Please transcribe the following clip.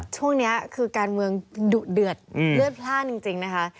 ช่วงนี้คือการเมืองดุเดือดเลือดพลาดจริงนะคะ